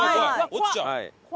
落ちちゃう。